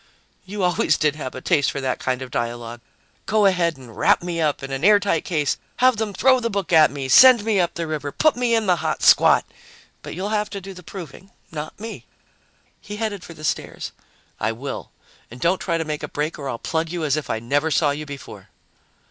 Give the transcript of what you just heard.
"You always did have a taste for that kind of dialogue. Go ahead and wrap me up in an airtight case, have them throw the book at me, send me up the river, put me in the hot squat. But you'll have to do the proving, not me." He headed for the stairs. "I will. And don't try to make a break or I'll plug you as if I never saw you before."